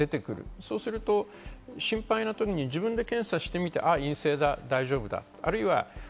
そうすると心配な時に自分で検査してみて陰性だ、大丈夫だ。